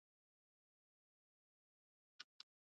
ماسره يوه غوا ده